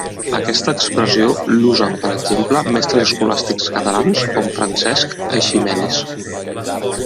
Aquesta expressió l'usen per exemple mestres escolàstics catalans com Francesc Eiximenis.